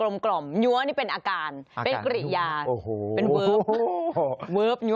ปลอดภัย